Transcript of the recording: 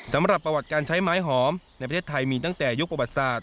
สำหรับประวัติการใช้ไม้หอมในประเทศไทยมีตั้งแต่ยุคประวัติศาสต